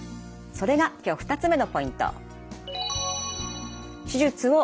それが今日２つ目のポイント。